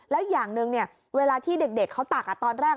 แล้วอย่างหนึ่งเวลาที่เด็กเขาตักตอนแรก